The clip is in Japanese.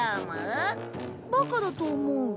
バカだと思う。